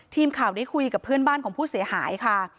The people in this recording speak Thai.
ทีมข่าวได้คุยกับเพื่อนบ้านของผู้เสียหายค่ะ